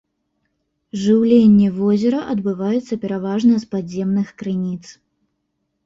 Жыўленне возера адбываецца пераважна з падземных крыніц.